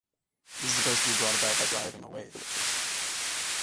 This is supposed to be brought about by driving away the witches.